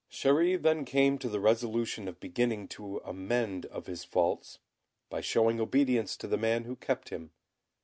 Chéri then came to the resolution of beginning to amend of his faults, by showing obedience to the man who kept him.